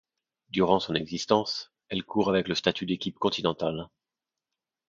Durant son existence, elle court avec le statut d'équipe continentale.